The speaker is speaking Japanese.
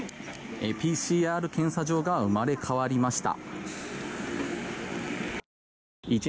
ＰＣＲ検査場が生まれ変わりました。